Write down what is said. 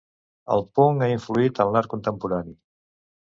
El punk ha influït en l'art contemporani